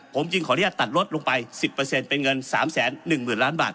ผมจึงขออนุญาตตัดลดลงไป๑๐เป็นเงิน๓๑๐๐๐ล้านบาท